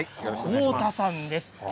太田さんです。